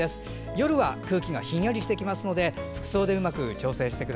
夜は、空気がひんやりしてきますので服装で、うまく調節しましょう。